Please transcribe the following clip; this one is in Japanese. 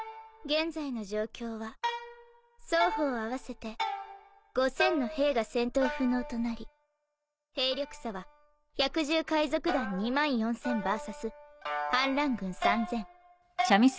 現在の状況は双方合わせて５，０００の兵が戦闘不能となり兵力差は百獣海賊団２万４，０００ＶＳ反乱軍３，０００。